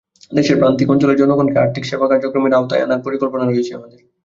দেশের প্রান্তিক অঞ্চলের জনগণকে আর্থিক সেবা কার্যক্রমের আওতায় আনার পরিকল্পনা রয়েছে আমাদের।